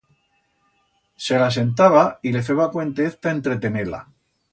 Se la sentaba y le feba cuentez ta entretener-la.